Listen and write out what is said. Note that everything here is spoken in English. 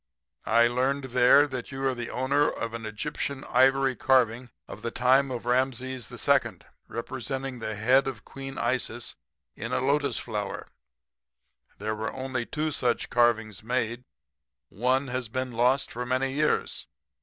"'I learned there that you are the owner of an Egyptian ivory carving of the time of Rameses II., representing the head of Queen Isis in a lotus flower. There were only two of such carvings made. One has been lost for many years.